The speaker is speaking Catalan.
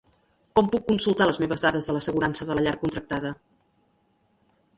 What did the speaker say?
Com puc consultar les meves dades de l'assegurança de la llar contractada?